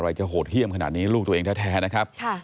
จะโหดเยี่ยมขนาดนี้ลูกตัวเองแท้นะครับ